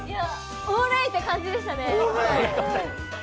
オレ！って感じでしたね。